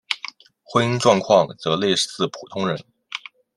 婚姻状况则类似普通人。